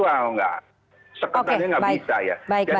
seketarnya gak bisa ya